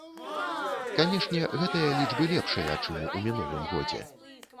Канешне, гэтыя лічбы лепшыя, чым ў мінулым годзе.